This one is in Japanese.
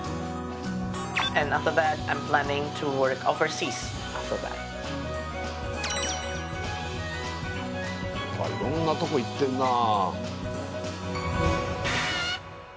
いろんなとこ行ってんなぁ。